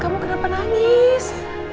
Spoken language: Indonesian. kamu kenapa nangis